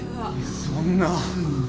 そんな。